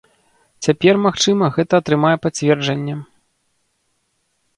Цяпер, магчыма, гэта атрымае пацверджанне.